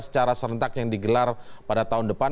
secara serentak yang digelar pada tahun depan